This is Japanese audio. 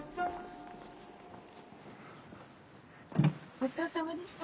ごちそうさまでした。